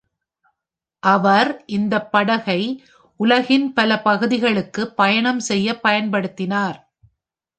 அவர் இந்த படகை உலகின் பல பகுதிகளுக்கு பயணம் செய்ய பயன்படுத்தினார்.